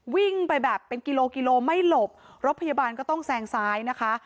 วิ่งไปแบบเป็นกิโลกิโลไม่หลบรถพยาบาลก็ต้องแซงซ้ายนะคะ